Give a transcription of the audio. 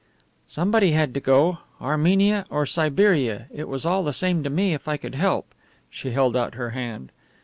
"Somebody had to go. Armenia or Siberia, it was all the same to me if I could help." She held out her hand.